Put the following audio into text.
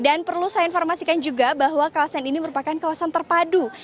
dan perlu saya informasikan juga bahwa kawasan ini merupakan kawasan terpadu